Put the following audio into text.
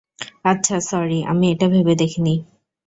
আচ্ছা, স্যরি, আমি এটা ভেবে দেখিনি।